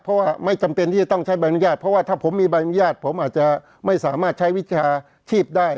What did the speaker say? เพราะว่าไม่จำเป็นที่จะต้องใช้ใบอนุญาตเพราะว่าถ้าผมมีใบอนุญาตผมอาจจะไม่สามารถใช้วิชาชีพได้